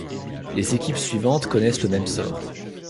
Les équipes suivantes connaissent le même sort.